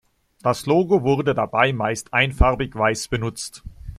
Das Logo wurde dabei meist einfarbig weiß benutzt.